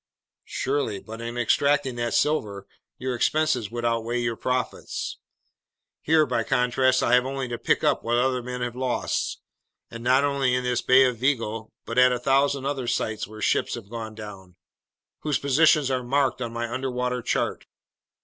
"Surely, but in extracting that silver, your expenses would outweigh your profits. Here, by contrast, I have only to pick up what other men have lost, and not only in this Bay of Vigo but at a thousand other sites where ships have gone down, whose positions are marked on my underwater chart.